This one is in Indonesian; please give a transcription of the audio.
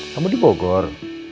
kamu di bogor